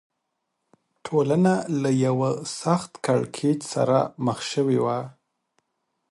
ټولنه له یوه سخت کړکېچ سره مخ شوې وه.